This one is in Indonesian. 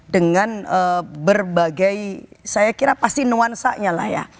dengan berbagai saya kira pasti nuansanya lah ya